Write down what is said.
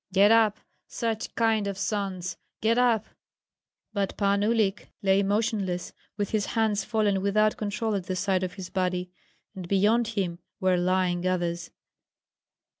"Get up, such kind of sons! get up!" But Pan Uhlik lay motionless, with his hands fallen without control at the side of his body, and beyond him were lying others.